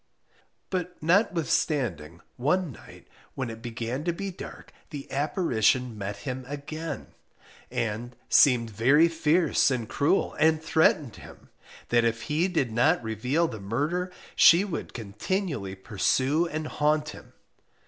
But notwithstanding, one night when it began to be dark, the apparition met him again, and seemed very fierce and cruel, and threatened him, that if he did not reveal the murder, she would continually pursue and haunt him.